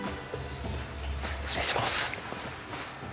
失礼します。